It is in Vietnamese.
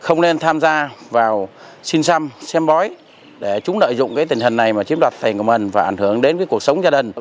không nên tham gia vào xin xăm xem bói để chúng lợi dụng tình hình này mà chiếm đoạt tài của mình và ảnh hưởng đến cuộc sống gia đình